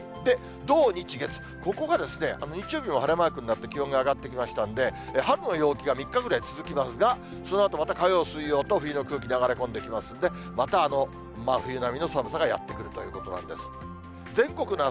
土、日、月、ここが日曜日も晴れマークになって、気温が上がってきましたんで、春の陽気が３日ぐらい続きますが、そのあと、また、火曜、水曜と冬の空気流れ込んできますんで、また真冬並みの寒さがやって来るということなんです。